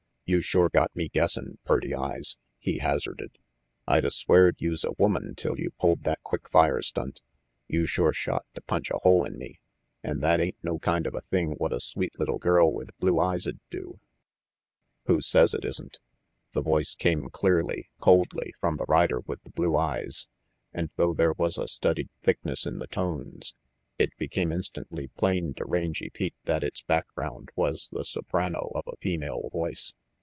"You sure got me guessin', purty eyes," he hazarded. "I'd a sweared youse a woman till you pulled that quick fire stunt. You sure shot to punch a hole in me, an' that ain't no kind of a thing what a sweet little girl with blue eyes'd do." 30 RANGY PETE "Who says it isn't?" The voice came clearly, coldly, from the rider with the blue eyes, and though there was a studied thickness in the tones, it became instantly plain to Rangy Pete that its background was the soprano of a female voice.